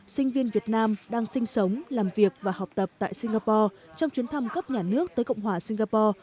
sinh viên việt nam đang sinh sống làm việc và học tập tại singapore trong chuyến thăm cấp nhà nước tới cộng hòa singapore